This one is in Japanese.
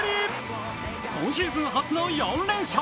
今シーズン初の４連勝。